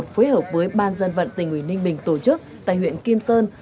phối hợp với ban dân vận tình nguyên ninh bình tổ chức tại huyện kim sơn